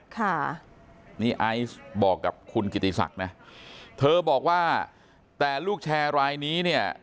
ค่ะนี่ไอซ์บอกกับคุณกิติศักดิ์นะเธอบอกว่าแต่ลูกแชร์รายนี้เนี่ย